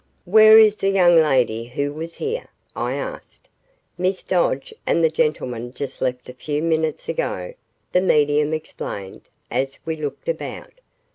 "Where is the young lady who was here?" I asked. "Miss Dodge and the gentleman just left a few minutes ago," the medium explained, as we looked about.